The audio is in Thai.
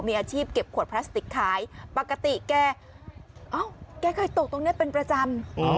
มีอาชีพเก็บขวดพลาสติกขายปกติแกเอ้าแกเคยตกตรงนี้เป็นประจำ